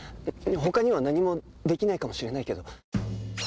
他には何もできないかもしれないけど。